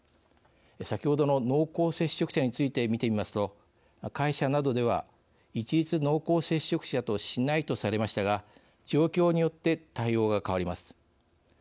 先ほどの濃厚接触者について見てみますと会社などでは一律、濃厚接触者としないとされましたが状況によって対応が変わります。